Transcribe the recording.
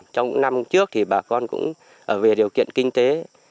trong năm trước bà con cũng ở về điều kiện kinh tế